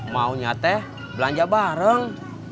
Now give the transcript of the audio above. mau nyate belanja bareng